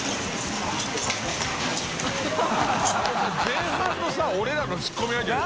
前半のさ俺らのツッコミだけど。